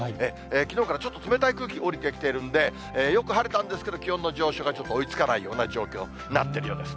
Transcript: きのうからちょっと冷たい空気、下りてきているんで、よく晴れたんですけど、気温の上昇がちょっと追いつかないような状況になってるようです。